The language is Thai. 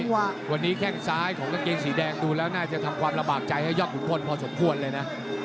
วันนี้แข้งซ้ายของกางเกงสีแดงดูแล้วน่าจะทำความลำบากใจให้ยอดขุนพลพอสมควรเลยนะ